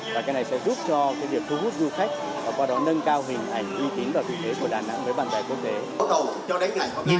và cái này sẽ giúp cho cái việc thu hút du khách và qua đó nâng cao hình ảnh uy tín và thịnh thế của đà nẵng với bạn bè quốc tế